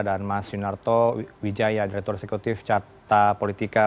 dan mas yunarto wijaya direktur eksekutif carta politika